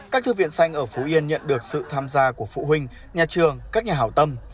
các thư viện xanh ở phú yên nhận được sự tham gia của phụ huynh nhà trường các nhà hảo tâm